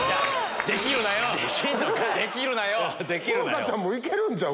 風花ちゃんもいけるんちゃう？